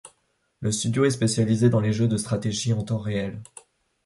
Le studio est spécialisé dans les jeux de stratégie en temps réel.